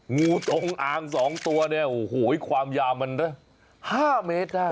งูจงอาง๒ตัวความยามัน๕เมตรได้